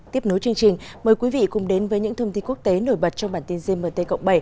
tiếp nối chương trình mời quý vị cùng đến với những thông tin quốc tế nổi bật trong bản tin gmt cộng bảy